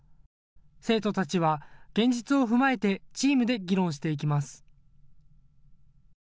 生徒たちは現実を踏まえてチームで議論していきます。